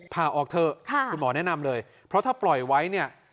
ผ่าออกเถอะคุณหมอแนะนำเลยเพราะถ้าปล่อยไว้เนี่ย